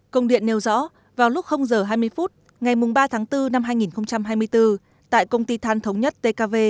công điện nêu rõ vào lúc giờ hai mươi phút ngày ba tháng bốn năm hai nghìn hai mươi bốn tại công ty than thống nhất tkv